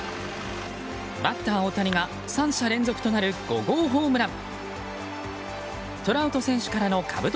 バッター大谷が３者連続となる５号ホームラン。